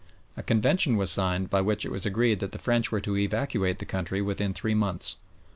A convention was signed by which it was agreed that the French were to evacuate the country within three months.